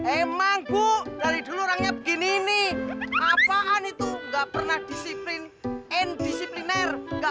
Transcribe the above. emangku dari dulu orangnya begini nih apaan itu nggak pernah disiplin andisipliner nggak